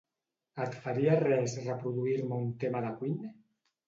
Et faria res reproduir-me un tema de Queen?